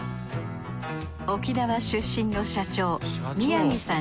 沖縄出身の社長宮城さん